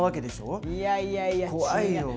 いやいやいや違う。